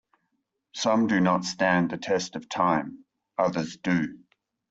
Some do not stand the test of time, others do.